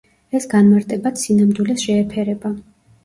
ეს განმარტებაც სინამდვილეს შეეფერება.